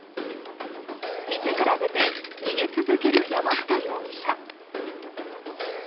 店から出て、逃げ続ける山下容疑者。